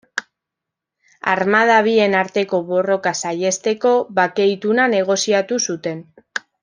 Armada bien arteko borroka saihesteko, bake ituna negoziatu zuten.